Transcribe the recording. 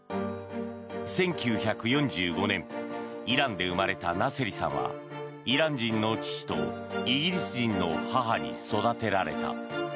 １９４５年イランで生まれたナセリさんはイラン人の父とイギリス人の母に育てられた。